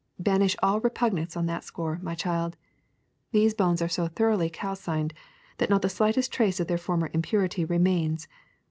'''* Banish all repugnance on that score, my child. These bones are so thoroughly calcined that not the slightest trace of their former impurity remains.